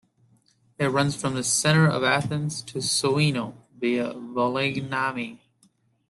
It runs from the centre of Athens to Sounio, via Vouliagmeni.